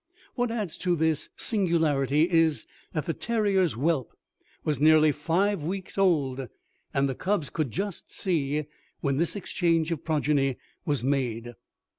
What adds to this singularity is, that the terrier's whelp was nearly five weeks old, and the cubs could just see, when this exchange of progeny was made.